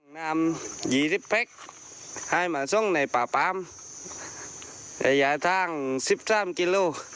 นำยี่สิบเป๊กให้มาส่งในป่าปามระยะทางสิบสามกิโล